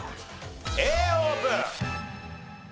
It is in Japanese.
Ａオープン！